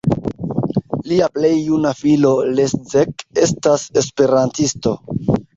Lia plej juna filo Leszek estas esperantisto.